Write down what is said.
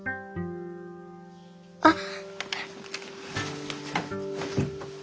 あっ。